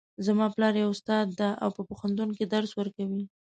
زما پلار یو استاد ده او په پوهنتون کې درس ورکوي